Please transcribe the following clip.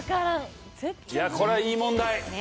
これはいい問題！